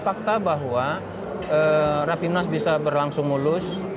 fakta bahwa rapimnas bisa berlangsung mulus